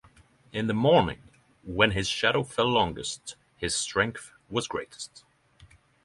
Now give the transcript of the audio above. In the morning, when his shadow fell longest, his strength was greatest.